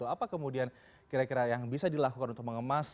apa kemudian kira kira yang bisa dilakukan untuk mengemas